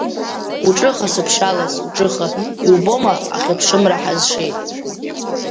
Уҿыха Сыԥшалас, уҿыха, иубома Ахьыԥшымра ҳазшеит.